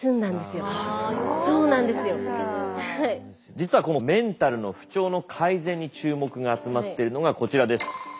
実はこのメンタルの不調の改善に注目が集まってるのがこちらです。